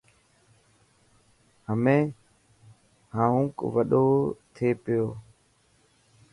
همي حانوڪ وڏو ٿي پيو.